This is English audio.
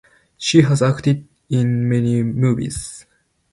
She has acted in many movies.